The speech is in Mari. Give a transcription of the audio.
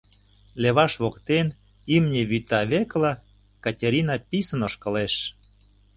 Леваш воктен имне вӱта векыла Катерина писын ошкылеш.